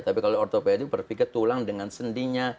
tapi kalau ortopedi berpikir tulang dengan sendinya